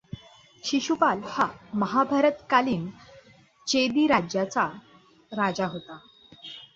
शिशुपाल हा महाभारतकालीन चेदी राज्याचा राजा होता.